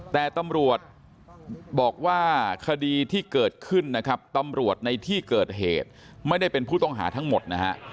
แต่ตำรวจบอกว่าคดีที่เกิดขึ้นนะครับตำรวจในที่เกิดเหตุไม่ได้เป็นผู้ต้องหาทั้งหมดนะฮะ